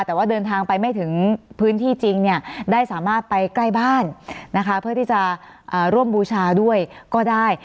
แต่ว่าเดินทางไปไม่ถึงพื้นที่จริงเนี่ยได้สามารถไปใกล้บ้านนะคะเพื่อที่จะร่วมบูชาด้วยก็ได้